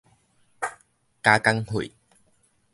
加工費